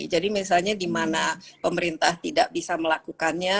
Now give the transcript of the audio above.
jadi misalnya dimana pemerintah tidak bisa melakukannya